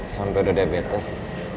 sampai udah diabetes